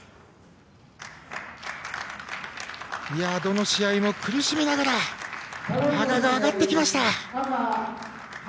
どの試合も苦しみながら羽賀が上がってきました。